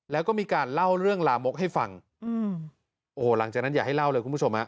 แล้วก็มีการเล่าเรื่องลามกให้ฟังอืมโอ้โหหลังจากนั้นอย่าให้เล่าเลยคุณผู้ชมฮะ